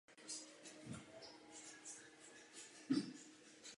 Tato zpráva navrhuje zlepšení současného rozdělení křesel v Evropském parlamentu.